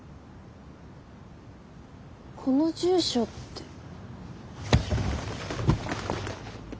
この住所って。